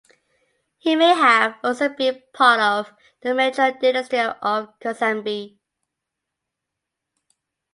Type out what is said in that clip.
He may have also been part of the Mitra dynasty of Kosambi.